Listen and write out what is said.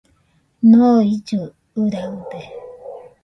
Noillɨɨ ɨraɨde